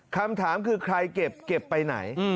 คำถามคือใครเก็บไปไหน